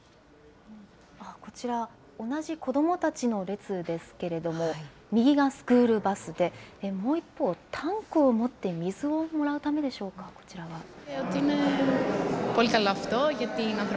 こちら、同じ子どもたちの列ですけれども、右がスクールバスで、もう一方、タンクを持って水をもらうためでしょうか、こちらは。